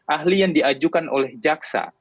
ahli yang diajukan oleh jaksa